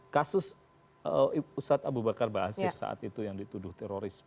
kasus ustadz abu bakar basir saat itu yang dituduh teroris